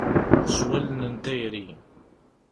S wallen n tayri.